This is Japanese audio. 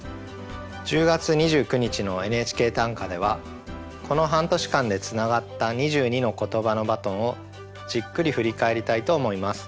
１０月２９日の「ＮＨＫ短歌」ではこの半年間でつながった２２の「ことばのバトン」をじっくり振り返りたいと思います。